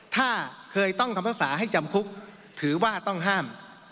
ถ้าเคยต้องคำภาษาให้จำคุกถือว่าต้องห้าม